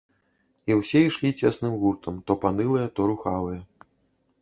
І ўсе ішлі цесным гуртам то панылыя, то рухавыя.